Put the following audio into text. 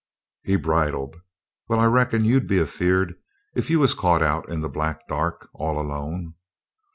He bridled. "Well, I reckon you'd be a feared if you was caught out in the black dark all alone."